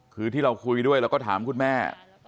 คือที่เราคุยด้วยเราก็ถามคุณแม่